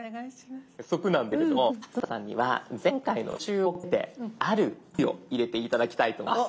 早速なんですけれども勝俣さんには前回の復習を兼ねてあるアプリを入れて頂きたいと思います。